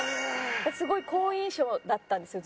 すごい好印象だったんですよ